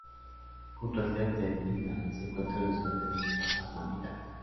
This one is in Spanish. Junto al cráter Ina se encuentran los cráteres Osama y Dag.